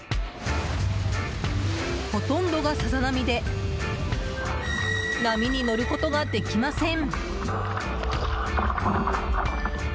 ほとんどが、さざ波で波に乗ることができません。